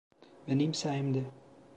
Benim sayemde.